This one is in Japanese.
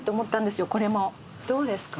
どうですか？